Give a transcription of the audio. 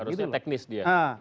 harusnya teknis dia